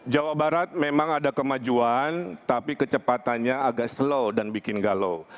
jawa barat memang ada kemajuan tapi kecepatannya agak slow dan bikin galau